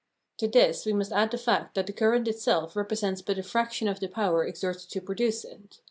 To this we must add the fact that the current itself represents but a fraction of the power exerted to produce it.